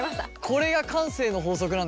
これが慣性の法則なんですね。